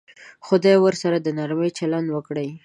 خدای ورسره د نرمي چلند وکړي.